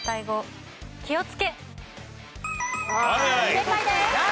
正解です。